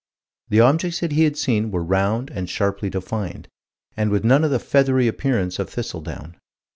The objects that he had seen were round and sharply defined, and with none of the feathery appearance of thistledown.